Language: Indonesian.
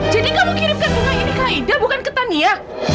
jadi kamu kirimkan bunga ini ke ayuda bukan ke tania